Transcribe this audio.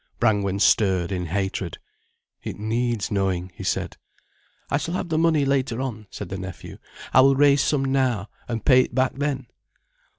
Brangwen stirred in hatred. "It needs knowing," he said. "I shall have the money later on," said the nephew. "I will raise some now, and pay it back then."